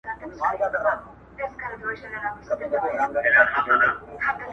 مرگی نو څه غواړي ستا خوب غواړي آرام غواړي.